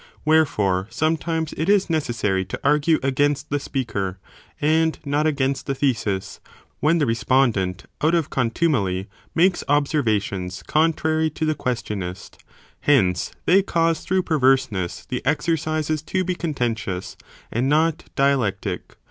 Wherefore sometimes it is necessary to argue against the speaker, and not against the thesis, when the respondent, out of contumely, makes observations contrary to the questionist ; hence they cause through perverseness, the exercises to be contentious and not dialectic.